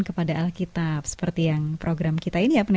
mari berjalan ke sion